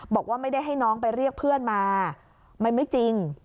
บอกว่าไม่ได้ให้น้องไปเรียกเพื่อนมามันไม่จริง